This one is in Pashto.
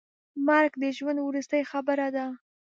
مرګ د ژوند وروستۍ خبره ده.